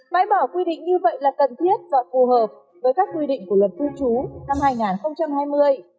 bãi bỏ quy định như vậy là cần thiết và phù hợp với các quy định của luật cư trú năm hai nghìn hai mươi